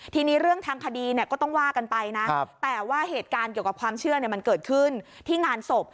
ทีนี้เรื่องทางคดีเนี่ยก็ต้องว่ากันไปนะแต่ว่าเหตุการณ์เกี่ยวกับความเชื่อมันเกิดขึ้นที่งานศพ